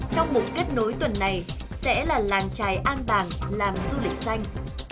trong mục kết nối tuần này sẽ là làng trài an bàng làm du lịch xanh